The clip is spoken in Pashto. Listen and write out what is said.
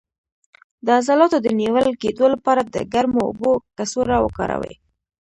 د عضلاتو د نیول کیدو لپاره د ګرمو اوبو کڅوړه وکاروئ